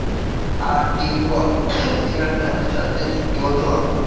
আট দিন পর তিনি সিয়াটল স্টর্মের সাথে চুক্তিবদ্ধ হন।